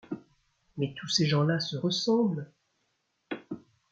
Mais tous ces gens-là se ressemblent !